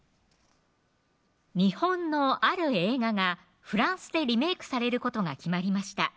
日本のある映画がフランスでリメークされることが決まりました